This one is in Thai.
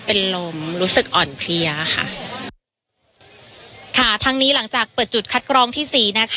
เป็นลมรู้สึกอ่อนเพลียค่ะค่ะทั้งนี้หลังจากเปิดจุดคัดกรองที่สี่นะคะ